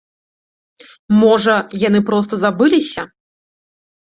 Можа, яны проста забыліся?